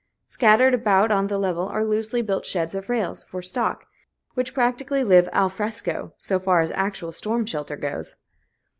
Scattered about on the level are loosely built sheds of rails, for stock, which practically live al fresco, so far as actual storm shelter goes.